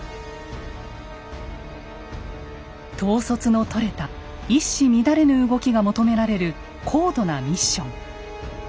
統率のとれた一糸乱れぬ動きが求められる高度なミッション。